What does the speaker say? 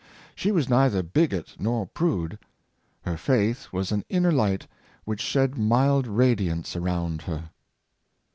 She was neither bigot nor prude. Her faith was an inner light which shed mild radiance around ber.'